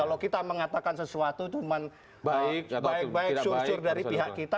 kalau kita mengatakan sesuatu itu baik baik sursur dari pihak kita